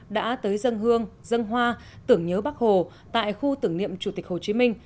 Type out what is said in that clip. đã tới dân hương dân hoa tưởng nhớ bắc hồ tại khu tưởng niệm chủ tịch hồ chí minh